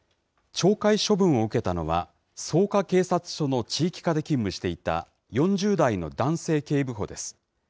懲戒処分を受けたのは、草加警察署の地域課で勤務していた４０代の男性警部補です。